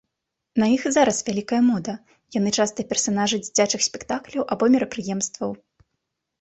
На іх і зараз вялікая мода, яны частыя персанажы дзіцячых спектакляў або мерапрыемстваў.